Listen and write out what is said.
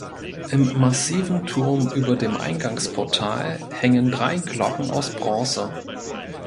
Im massiven Turm über dem Eingangsportal hängen drei Glocken aus Bronze.